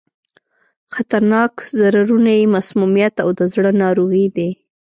خطرناک ضررونه یې مسمومیت او د زړه ناروغي دي.